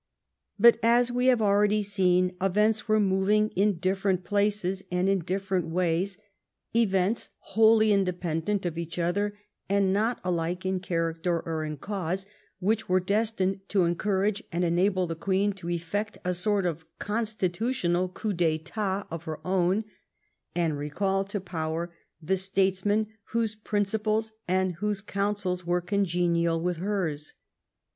827 THE REIGN OF QUEEN ANNE But, as we have already seen, events were moving in different places and in different ways, events wholly independent of each other and not alike in character or in cause, which were destined to encourage and enable the Queen to effect a sort of constitutional coup d*etat of her own, and recall to power the statesmen whose principles and whose counsels were congenial with hers.